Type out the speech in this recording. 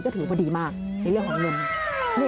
ก็ถือว่าดีมากในเรื่องของเงิน